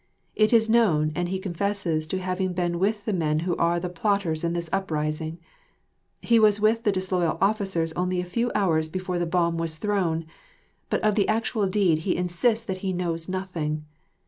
It is known and he confesses to having been with the men who are the plotters in this uprising. He was with the disloyal officers only a few hours before the bomb was thrown, but of the actual deed he insists that he knows nothing.